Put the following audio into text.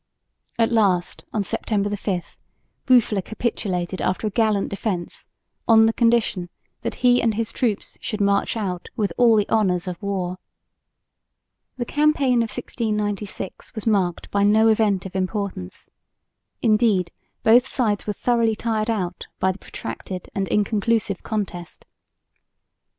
At last, on September 5, Boufflers capitulated after a gallant defence on the condition that he and his troops should march out with all the honours of war. The campaign of 1696 was marked by no event of importance; indeed both sides were thoroughly tired out by the protracted and inconclusive contest.